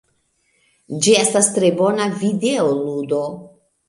Ĝi estas tre bona videoludo.